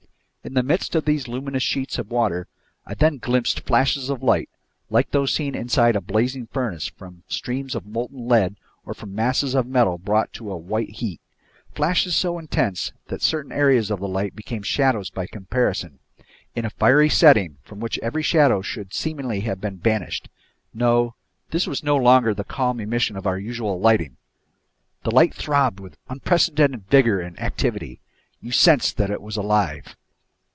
In the midst of these luminous sheets of water, I then glimpsed flashes of light, like those seen inside a blazing furnace from streams of molten lead or from masses of metal brought to a white heat—flashes so intense that certain areas of the light became shadows by comparison, in a fiery setting from which every shadow should seemingly have been banished. No, this was no longer the calm emission of our usual lighting! This light throbbed with unprecedented vigor and activity! You sensed that it was alive!